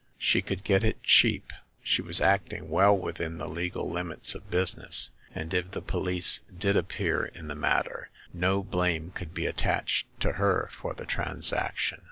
She could get it cheap ; she was acting well within the legal limits of business ; and if the police did appear in the matter, no blame could be attached to her for the transaction.